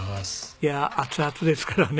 いや熱々ですからね。